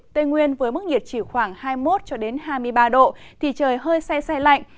tây nguyên với mức nhiệt chỉ khoảng hai mươi một cho đến hai mươi ba độ thì trời hơi xe xe lạnh